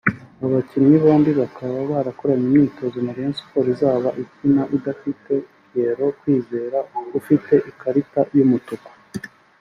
Aba bakinnyi bombi bakaba bakoranye imyitozo na Rayon Sports izaba ikina idafite Pierrot Kwizera ufite ikarita y'umutuku